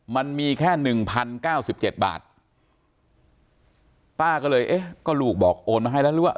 มันมีแค่หนึ่งพันเก้าสิบเจ็ดบาทป้าก็เลยเอ๊ะก็ลูกบอกโอนมาให้แล้วหรือว่า